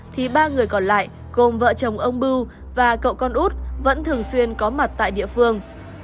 thì ba người còn lại gồm vợ chồng ông bưu và cậu con út vẫn thường xuyên có mặt tại địa phương